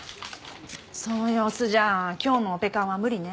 その様子じゃ今日のオペ看は無理ね。